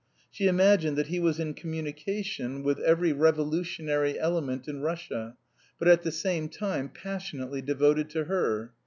She imagined that he was in communication with every revolutionary element in Russia but at the same time passionately devoted to her.